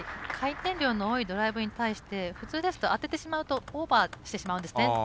回転量の多いドライブに対して普通ですと当ててしまうとオーバーしてしまうんですね。